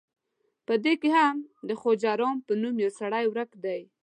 په دې کې هم د خواجه رام په نوم یو سړی ورک دی.